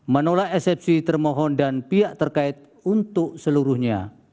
menolak eksepsi termohon dan pihak terkait untuk seluruhnya